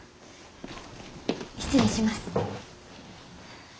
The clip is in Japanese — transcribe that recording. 失礼します。